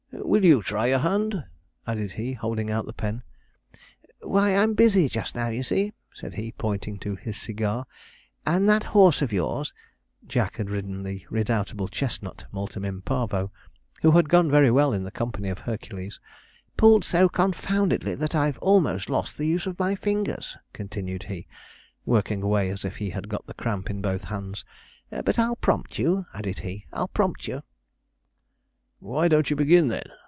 'Will you try your hand?' added he, holding out the pen. 'Why, I'm busy just now, you see,' said he, pointing to his cigar, 'and that horse of yours' (Jack had ridden the redoubtable chestnut, Multum in Parvo, who had gone very well in the company of Hercules) pulled so confoundedly that I've almost lost the use of my fingers,' continued he, working away as if he had got the cramp in both hands; 'but I'll prompt you,' added he, 'I'll prompt you.' 'Why don't you begin then?'